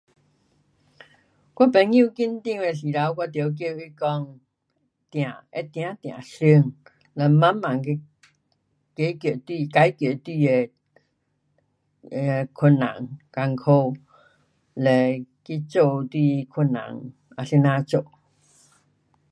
我朋友紧张的时头我得叫他讲，静，会静静想，呐慢慢去解决，解决你的，呃，困难，困苦，嘞去做你困难啊怎样做。